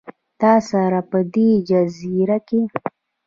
تا سره، په دې جزیره کې